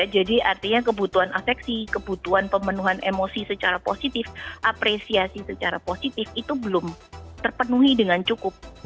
jadi artinya kebutuhan afeksi kebutuhan pemenuhan emosi secara positif apresiasi secara positif itu belum terpenuhi dengan cukup